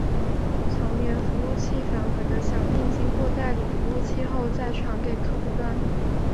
从源服务器返回的响应经过代理服务器后再传给客户端。